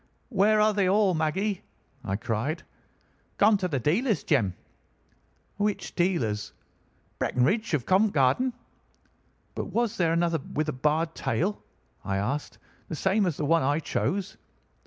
"'Where are they all, Maggie?' I cried. "'Gone to the dealer's, Jem.' "'Which dealer's?' "'Breckinridge, of Covent Garden.' "'But was there another with a barred tail?' I asked, 'the same as the one I chose?